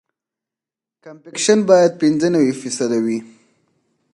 کمپکشن باید پینځه نوي فیصده وي